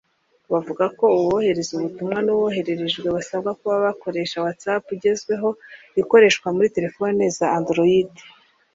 bavuga ko uwohereza ubutumwa n’ubwohererejwe basabwa kuba bakoresha ‘Whatsapp’ igezweho ikoreshwa muri telephone za Android